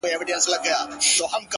• شهادت د حماقت يې پر خپل ځان كړ,